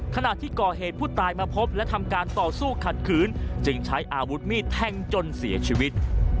ขณะที่ก่อเหตุผู้ตายมาพบและทำการต่อสู้ขัดขืนจึงใช้อาวุธมีดแทงจนเสียชีวิต